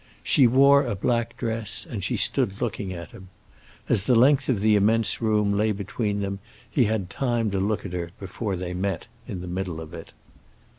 She wore a black dress, and she stood looking at him. As the length of the immense room lay between them he had time to look at her before they met in the middle of it.